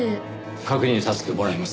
確認させてもらいます。